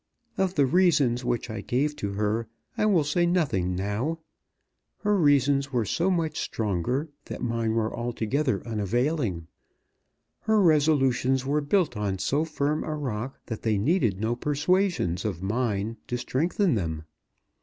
Of the reasons which I gave to her I will say nothing now. Her reasons were so much stronger, that mine were altogether unavailing. Her resolutions were built on so firm a rock, that they needed no persuasions of mine to strengthen them.